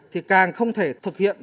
thì càng không thể thực hiện